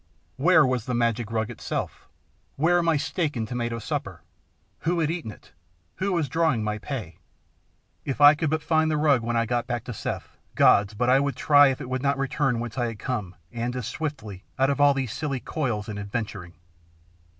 Where was the magic rug itself? Where my steak and tomato supper? Who had eaten it? Who was drawing my pay? If I could but find the rug when I got back to Seth, gods! but I would try if it would not return whence I had come, and as swiftly, out of all these silly coils and adventuring.